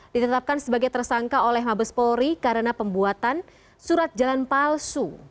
ditetapkan sebagai tersangka oleh mabes polri karena pembuatan surat jalan palsu